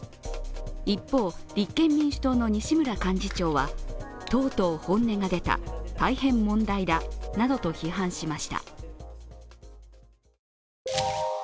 一方、立憲民主党の西村幹事長は、とうとう本音が出た、大変問題だなどと批判しました。